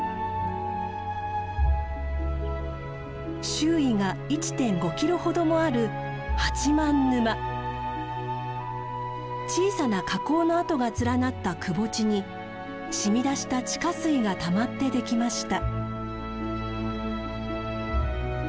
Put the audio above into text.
周囲が１．５キロほどもある小さな火口の跡が連なったくぼ地にしみ出した地下水がたまってできました。